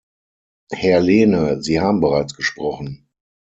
Herr Lehne, Sie haben bereits gesprochen.